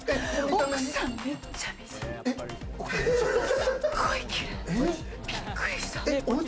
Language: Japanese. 奥さん、めっちゃ美人。